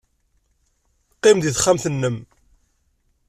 Qqim deg texxamt-nnem.